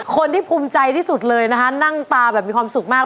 คนที่ภูมิใจที่สุดเลยนะคะนั่งตาแบบมีความสุขมาก